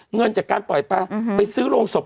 เงินจากการปล่อยปลาไปซื้อโรงศพ